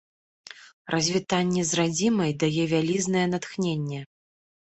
Развітанне з радзімай дае вялізнае натхненне.